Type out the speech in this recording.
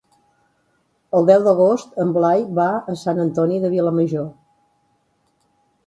El deu d'agost en Blai va a Sant Antoni de Vilamajor.